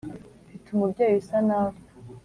mfite umubyeyi usa nawe -